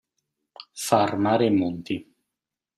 Far mare e monti.